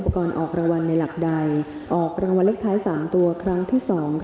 พร้อมแล้วจะออกกลางวันเล็กท้าย๓ตัวครั้งที่๒